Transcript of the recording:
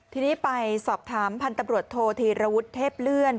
ทีนี้ไปสอบถามพันธุ์ตำรวจโทษธีรวุฒิเทพเลื่อน